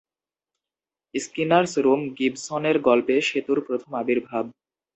Skinner's room গিবসনের গল্পে সেতুর প্রথম আবির্ভাব।